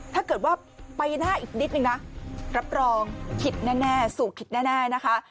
ถ้าเกิดว่าปีหน้าอีกนิดนึงนะรับรองคิดแน่สู่คิดแน่นะคะ